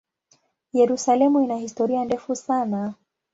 Yerusalemu ina historia ndefu sana.